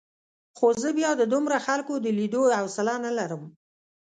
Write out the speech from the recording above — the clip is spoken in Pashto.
خو زه بیا د دومره خلکو د لیدو حوصله نه لرم.